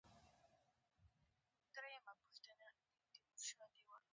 نرۍ کندې يې زنه په دوو برخو وېشلې.